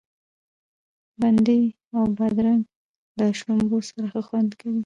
بنډۍ او بادرنګ له شړومبو سره ښه خوند کوي.